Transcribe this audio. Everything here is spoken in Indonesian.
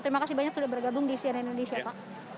terima kasih banyak sudah bergabung di cnn indonesia pak